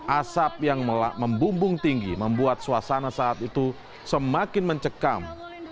asap yang membumbung tinggi membuat suasana saat itu semakin mencekam